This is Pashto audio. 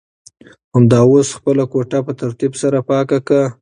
همدا اوس خپله کوټه په ترتیب سره پاکه کړه.